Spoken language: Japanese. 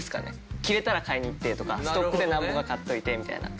切れたら買いに行ってとかストックで何本か買っといてみたいな。